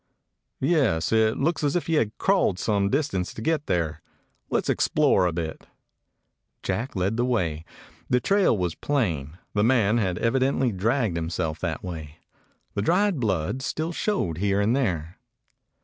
"Yes. It looks as if he had crawled some distance to get here. Let 's explore a bit." Jack led the way. The trail was plain. The man had evidently dragged himself that way. The dried blood still showed here and there.